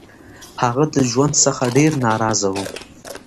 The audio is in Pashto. هغه د ژوند څخه ډير نا رضا وو